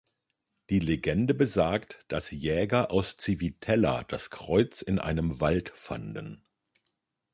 Die Legende besagt, dass Jäger aus Civitella das Kreuz in einem Wald fanden.